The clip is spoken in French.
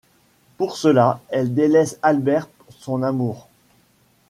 Pour cela elle délaisse Albert, son amour.